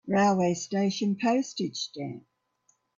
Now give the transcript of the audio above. Railway station Postage stamp